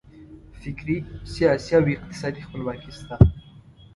فکري، سیاسي او اقتصادي خپلواکي شته.